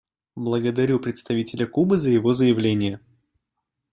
Благодарю представителя Кубы за его заявление.